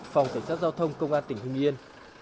phòng cảnh sát giao thông công an tỉnh hưng yên